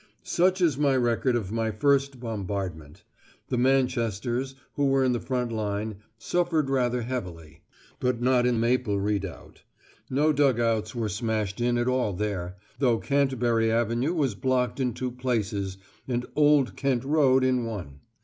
Such is my record of my first bombardment. The Manchesters, who were in the front line, suffered rather heavily, but not in Maple Redoubt. No dug outs were smashed in at all there, though Canterbury Avenue was blocked in two places, and Old Kent Road in one.